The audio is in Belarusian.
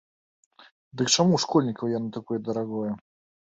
Дык чаму ў школьнікаў яно такое дарагое?